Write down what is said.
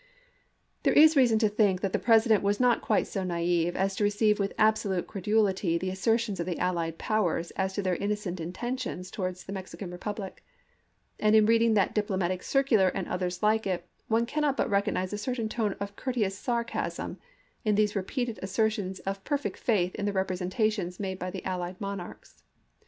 There is reason to think that the President was not quite so naive as to receive with absolute credulity the assertions of the allied powers as to their innocent intentions towards the Mexican re public, and in reading that diplomatic circular and others like it, one cannot but recognize a certain tone of courteous sarcasm in these repeated asser tions of perfect faith in the representations made by the allied monarchs.